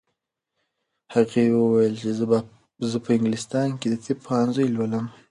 هغې وویل چې زه په انګلستان کې د طب پوهنځی لولم.